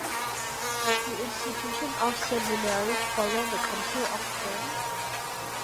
The institution of seminaries followed the Council of Trent.